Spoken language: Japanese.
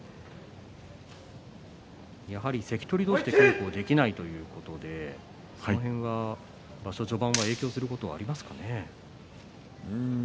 やはり関取同士で稽古できないということでその辺は場所序盤は影響することはありますか。